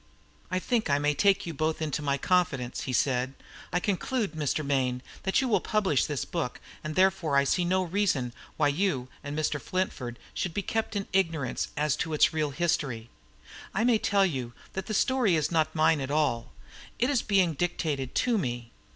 "I think I may take you both into my confidence," he said. "I conclude, Mr. Mayne, that you will publish this book, and therefore I see no reason why you and Mr. Flintford should be kept in ignorance as to its real history. I may tell you that the story is not mine at all: it is being dictated to me.